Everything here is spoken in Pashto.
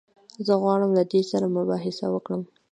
زه غواړم له ده سره مباحثه وکړم.